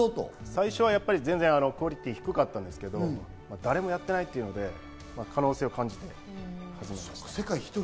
最初は全然クオリティー低かったんですけど、誰もやっていないということで可能性を感じて。